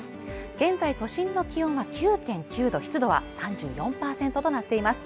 現在都心の気温は９．９度湿度は３４％となっています